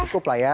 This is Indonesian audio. cukup lah ya